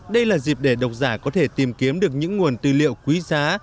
đây là dịp để độc giả có thể tìm kiếm được những nguồn tư liệu quý giá